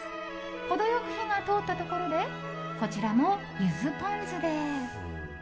程良く火が通ったところでこちらも、ゆずポン酢で。